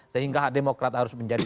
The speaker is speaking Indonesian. sehingga demokraat harus menjadi